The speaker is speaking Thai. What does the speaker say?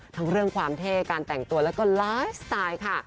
ทั้งเรื่องความเท่การแต่งตัวแล้วก็ไลฟ์สไตล์ค่ะ